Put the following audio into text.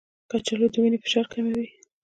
کچالو د وینې فشار کموي.